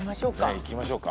いきましょうか。